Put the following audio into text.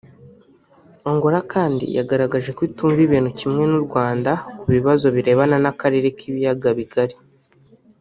Angola kandi yagaragaje ko itumva ibintu kimwe n’u Rwanda ku bibazo birebana n’akarere k’ibiyaga bigari